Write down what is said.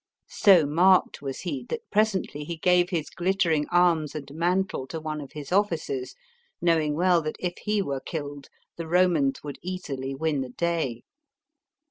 So marked was he, that presently he gave his glittering arms and mantle to one of his officers, knowing well that if he were killed, the Romans would easily win the day.